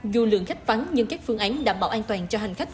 dù lượng khách vắng nhưng các phương án đảm bảo an toàn cho hành khách